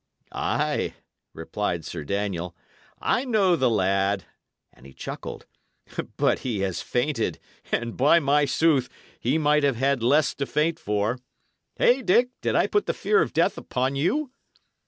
"Ay," replied Sir Daniel, "I know the lad;" and he chuckled. "But he has fainted; and, by my sooth, he might have had less to faint for! Hey, Dick? Did I put the fear of death upon you?"